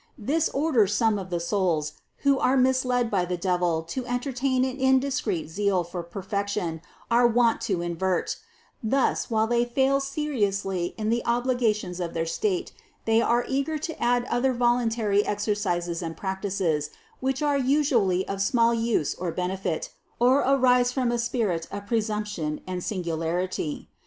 This order some of the souls, who are misled by the devil to entertain an indis creet zeal for perfection, are wont to invert; thus, while they fail seriously in the obligations of their state, they 352 CITY OP GOD are eager to add other voluntary exercises and practices, which are usually of small use or benefit, or arise from a spirit of presumption and singularity.